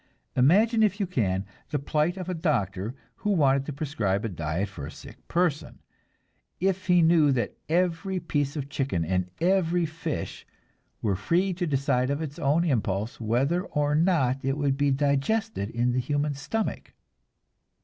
Imagine if you can, the plight of a doctor who wanted to prescribe a diet for a sick person, if he knew that every piece of chicken and every piece of fish were free to decide of its own impulse whether or not it would be digested in the human stomach.